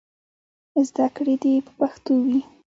زدهکړې دې په پښتو وي.